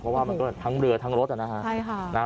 เพราะว่ามันก็ทั้งเรือทั้งรถนะฮะ